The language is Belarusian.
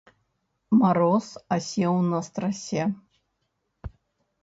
Мароз асеў на страсе.